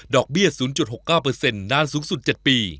เบี้ย๐๖๙นานสูงสุด๗ปี